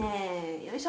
よいしょ。